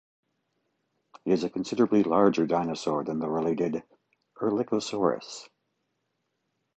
It is a considerably larger dinosaur than the related "Erlikosaurus".